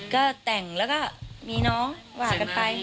ก็แต่งแล้วก็มีน้องว่ากันไป